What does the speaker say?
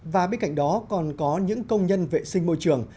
và bên cạnh đó còn có những công nhân vệ sinh môi trường